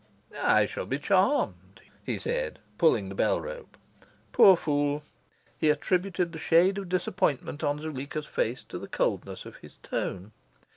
"I shall be charmed," he said, pulling the bell rope. Poor fool! he attributed the shade of disappointment on Zuleika's face to the coldness of his tone.